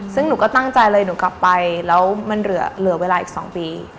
ซึ่งหนูก็ตั้งใจเลยหนูกลับไปแล้วมันเหลือเวลาอีก๒ปี